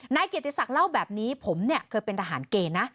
นายเกียรติศักดิ์เล่าแบบนี้ผมเนี่ยเคยเป็นทหารเกณฑ์นะ